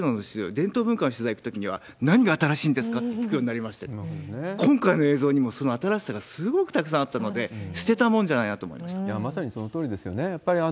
伝統文化の取材行くときには、何が新しいんですか？と聞くように、なりまして、今回もその新しさがすごくたくさんあったので、捨てたもんじゃなまさにそのとおりでしたよね。